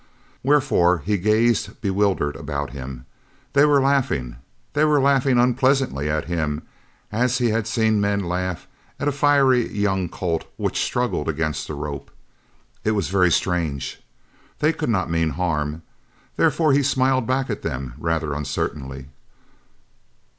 Wherefore he gazed bewildered about him. They were laughing they were laughing unpleasantly at him as he had seen men laugh at a fiery young colt which struggled against the rope. It was very strange. They could not mean harm. Therefore he smiled back at them rather uncertainly.